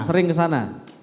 sering ke sana